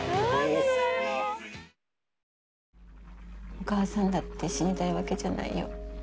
お母さんだって死にたいわけじゃないよ。